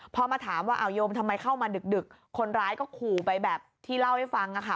พอมาถามว่าโยมทำไมเข้ามาดึกคนร้ายก็ขู่ไปแบบที่เล่าให้ฟังค่ะ